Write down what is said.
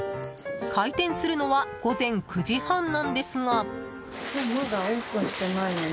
開店するのは午前９時半なんですが。